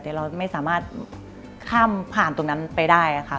แต่เราไม่สามารถข้ามผ่านตรงนั้นไปได้ค่ะ